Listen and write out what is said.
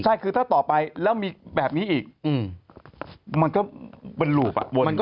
ใช่คือถ้าต่อไปแล้วมีแบบนี้อีกมันก็เป็นรูป